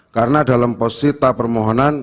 karena dalam posita permohonan